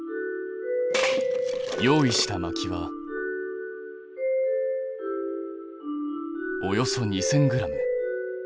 用意したまきはおよそ２，０００ｇ。